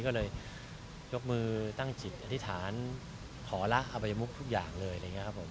ก็เลยยกมือตั้งจิตอธิษฐานขอละอบัยมุกทุกอย่างเลยอะไรอย่างนี้ครับผม